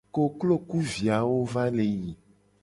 Koklo ku viawo va le yi.